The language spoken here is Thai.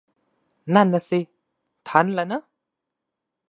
นั่นน่ะสิ ทันแหละเนอะ